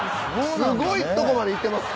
すごいとこまでいってます。